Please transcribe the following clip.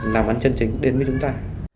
làm bắn chân chính đến với chúng ta